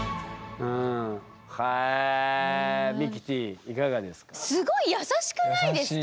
ミキティいかがですか？